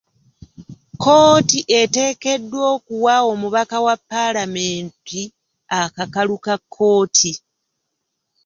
Kkooti eteekeddwa okuwa omubaka wa paalamenti akakalu ka kkooti.